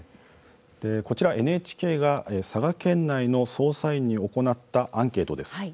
こちら、ＮＨＫが佐賀県内の操作員に行ったアンケートです。